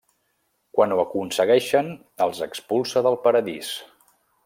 Quan ho aconsegueixen els expulsa del Paradís.